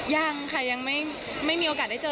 ยังค่ะยังไม่มีโอกาสได้เจอ